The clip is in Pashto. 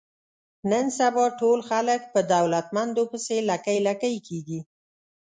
نن سبا ټول خلک په دولتمندو پسې لکۍ لکۍ کېږي.